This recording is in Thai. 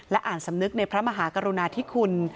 อ่านสำนึกในพระมหากรุณาธิคุณ